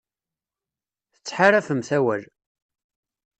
Tettḥaṛafemt awal.